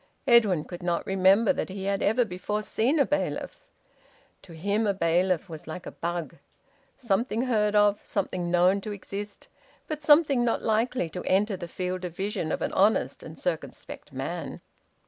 Edwin could not remember that he had ever before seen a bailiff. To him a bailiff was like a bug something heard of, something known to exist, but something not likely to enter the field of vision of an honest and circumspect man.